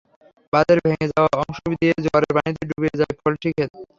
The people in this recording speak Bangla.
বাঁধের ভেঙে যাওয়া অংশ দিয়ে জোয়ারের পানিতে ডুবে যায় ফসলি খেত।